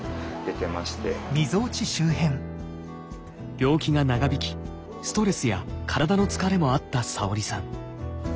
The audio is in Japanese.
病気が長引きストレスや体の疲れもあった沙織さん。